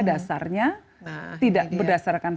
dasarnya tidak berdasarkan